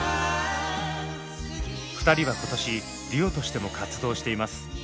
２人は今年デュオとしても活動しています。